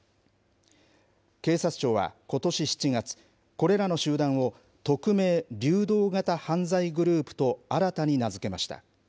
警察庁はことし７月、これらの集団を匿名・流動型犯罪グループと新たに名付けました。